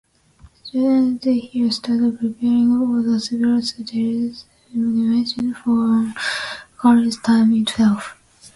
Students here start preparing for the Civil Services Examination from college time itself.